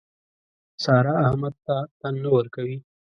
سارا احمد ته تن نه ورکوي.